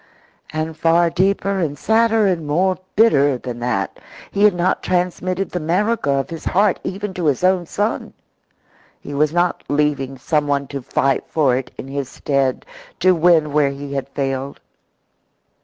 And far deeper and sadder and more bitter than that, he had not transmitted the America of his heart even to his own son. He was not leaving someone to fight for it in his stead, to win where he had failed.